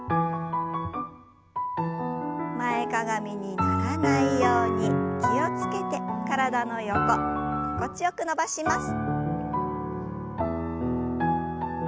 前かがみにならないように気を付けて体の横心地よく伸ばします。